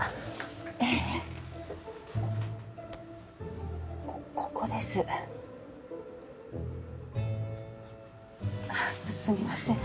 ええここですすみません